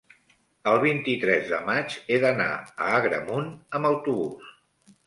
el vint-i-tres de maig he d'anar a Agramunt amb autobús.